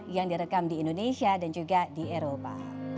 yang direkam di indonesia dan juga di eropa